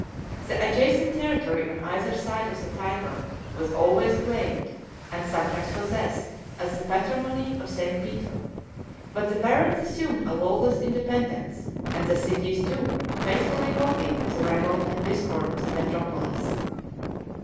The adjacent territory on either side of the Tyber was always claimed, and sometimes possessed, as the patrimony of St. Peter; but the barons assumed a lawless independence, and the cities too faithfully copied the revolt and discord of the metropolis.